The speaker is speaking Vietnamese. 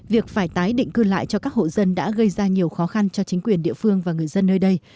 việc phải tái định cư lại cho các hộ dân đã gây ra nhiều khó khăn cho chính quyền địa phương và người dân nơi đây